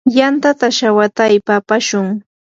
yantata shawataypa apashun.